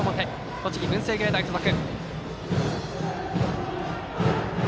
栃木・文星芸大付属。